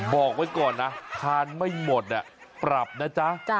บอกไว้ก่อนนะทานไม่หมดปรับนะจ๊ะ